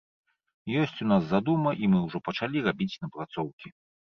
Ёсць у нас задума, і мы ўжо пачалі рабіць напрацоўкі.